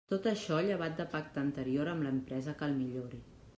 Tot això llevat de pacte anterior amb l'empresa que el millori.